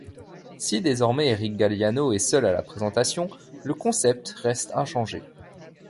Si désormais Éric Galliano est seul à la présentation, le concept reste inchangé.